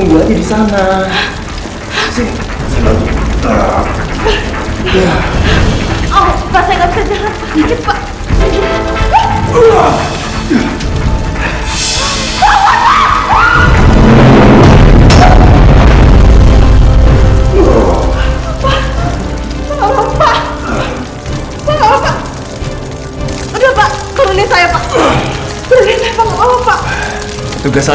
andi anin sama suaminya